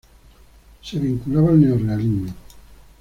Se vinculaba al neorrealismo.